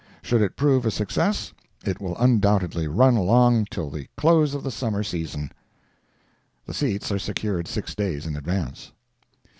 Should it prove a success, it will undoubtedly run along till the close of the summer season." The seats are secured six days in advance.